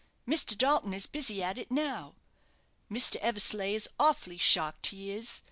Mr. Dalton is busy at it now. Mr. Eversleigh is awfully shocked, he is.